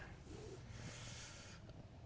belum manu ya